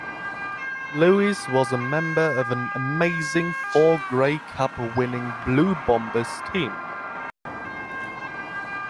Lewis was a member of an amazing four Grey Cup winning Blue Bombers teams.